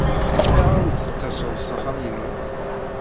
Ayɣer ur d-tettaseḍ s axxam-inu?